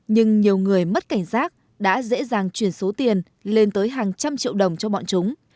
nhưng nhiều người mất cảnh giác đã dễ dàng chuyển số tiền lên tới hàng trăm triệu đồng cho bọn chúng